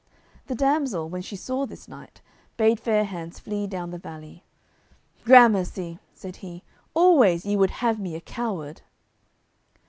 The damsel, when she saw this knight, bade Fair hands flee down the valley. "Grammercy," said he, "always ye would have me a coward."